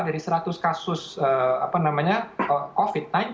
dari seratus kasus covid sembilan belas